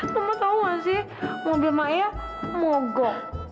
kamu tahu nggak sih mobil maya mogok